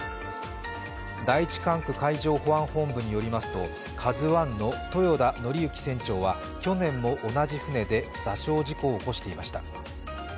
第一管区海上保安本部によりますと、「ＫＡＺＵⅠ」の豊田徳幸船長は去年も同じ船で座礁事故を起こしていました。